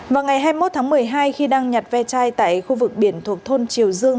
vào ngày hai mươi một tháng một mươi hai khi đang nhặt ve chai tại khu vực biển thuộc thôn triều dương